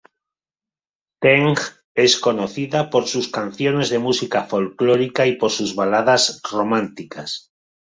Teng es conocida por sus canciones de música folclórica y por sus baladas románticas.